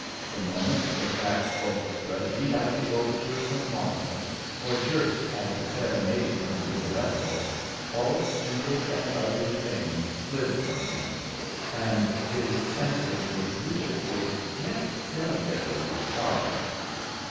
The moment the cracked orchestra beat out the overture from Martha, or jerked at the serenade from Rigoletto, all stupid and ugly things slid from him, and his senses were deliciously, yet delicately fired.